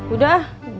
udah jangan diem aja